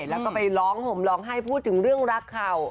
แล้วก็ไปร้องห่มร้องไห้พูดถึงเรื่องรักเข่า